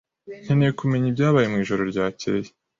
Nkeneye kumenya ibyabaye mwijoro ryakeye.